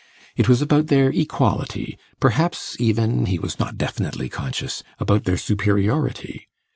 It was about their equality perhaps even (he was not definitely conscious) about their superiority.